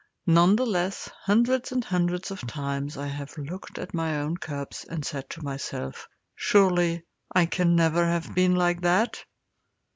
None the less, hundreds and hundreds of times I have looked at my own cubs, and said to myself: 'Surely, I can never have been like that!'